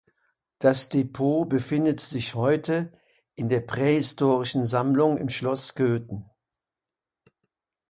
Das Depot befindet sich heute in der Prähistorischen Sammlung im Schloss Köthen.